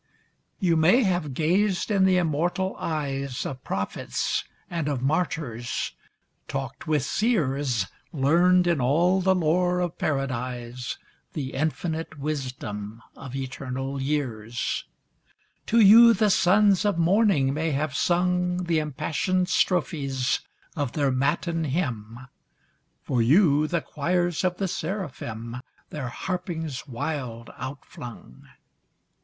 You may have gazed in the immortal eyes Of prophets and of martyrs; talked with seers Learned in all the lore of Paradise, The infinite wisdom of eternal years; To you the Sons of Morning may have sung, The impassioned strophes of their matin hymn, For you the choirs of the seraphim Their harpings wild out flung.